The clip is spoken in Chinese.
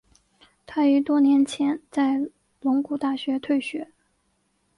他于多年前在龙谷大学退学。